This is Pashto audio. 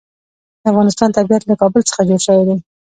د افغانستان طبیعت له کابل څخه جوړ شوی دی.